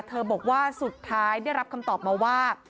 บอกว่าสุดท้ายได้รับคำตอบมาว่า